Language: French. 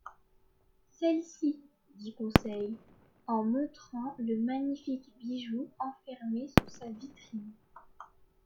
Celle-ci, dit Conseil, en montrant le magnifique bijou enfermé sous sa vitrine.